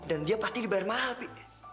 dan dia pasti dibayar mahal pi